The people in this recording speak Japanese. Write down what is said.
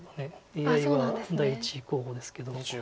ＡＩは第１候補ですけど。